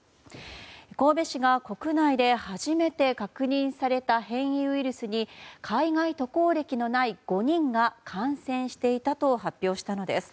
神戸市が国内で初めて確認された変異ウイルスに海外渡航歴のない５人が感染していたと発表したのです。